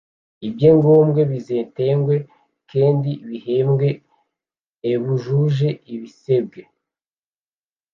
Ibye ngombwe bizetengwe kendi bihebwe ebujuje ibisebwe